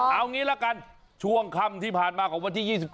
เอางี้ละกันช่วงค่ำที่ผ่านมาของวันที่๒๗